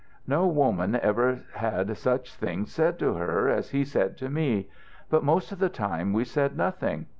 "No woman ever had such things said to her as he said to me. But most of the time we said nothing.